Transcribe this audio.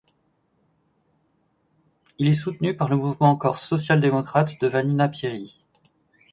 Il est soutenu par le mouvement Corse social-démocrate de Vanina Pieri.